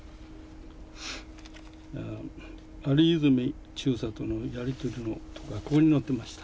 有泉中佐とのやり取りがここに載っていました。